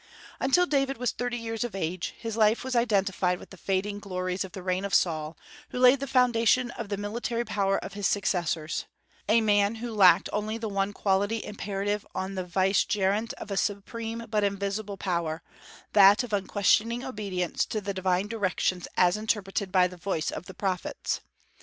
Until David was thirty years of age his life was identified with the fading glories of the reign of Saul, who laid the foundation of the military power of his successors, a man who lacked only the one quality imperative on the vicegerent of a supreme but invisible Power, that of unquestioning obedience to the divine directions as interpreted by the voice of prophets.